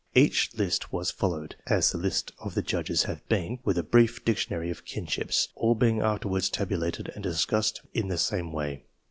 Each list was followed, as the list of the judges had been, with a brief dictionary of kinships, all being afterwards tabulated and discussed in the same way.